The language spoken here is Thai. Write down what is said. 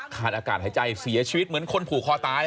อากาศหายใจเสียชีวิตเหมือนคนผูกคอตาย